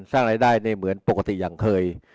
ทำลายได้เหมือนปกติอย่างเคย